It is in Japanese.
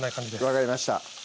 分かりました